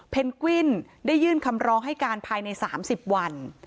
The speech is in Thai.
เพนกวินได้ยื่นคำร้องให้การภายในสามสิบวัน